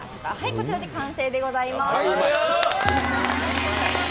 こちらで完成でございます。